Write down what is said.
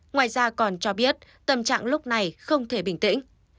ngoài ra còn cho biết tâm trạng lúc này không thể bình tĩnh